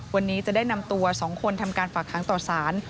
วันนี้จะได้นำตัว๒คนทำการฝากหางต่อสาร